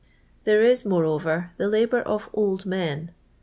There is, moreover, the labour of old men.